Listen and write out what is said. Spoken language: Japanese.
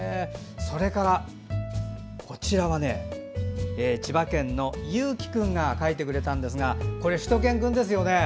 それから、こちらは千葉県松戸市のゆうき君が描いてくれたんですがこれ、しゅと犬くんですよね。